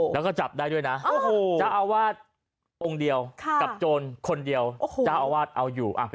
แล้วก็จับได้ด้วยนะเจ้าอาวาสองค์เดียวกับโจรคนเดียวเจ้าอาวาสเอาอยู่